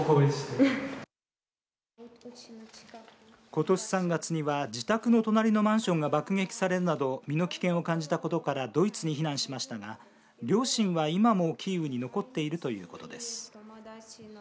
ことし３月には自宅の隣のマンションが爆撃されるなど身の危険を感じたことからドイツに避難しましたが両親は、今もキーウに残っているということです。